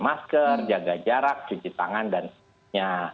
masker jaga jarak cuci tangan dan sebagainya